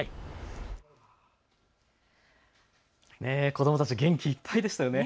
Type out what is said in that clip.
子どもたち元気いっぱいでしたよね。